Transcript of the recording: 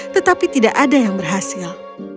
tetapi tidak ada yang berhasil